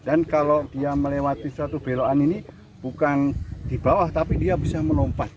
kalau dia melewati suatu beloan ini bukan di bawah tapi dia bisa melompat